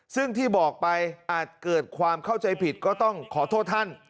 ซึ่งที่บอกไปอาจเกิดความเข้าใจผิดก็ต้องขอโทษท่าน